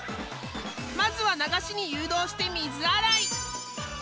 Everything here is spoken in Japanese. まずは流しに誘導して水洗い。